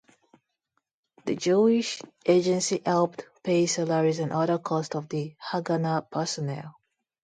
The Jewish Agency helped pay salaries and other costs of the Haganah personnel.